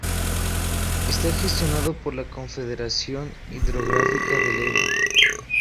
Está gestionado por la Confederación Hidrográfica del Ebro.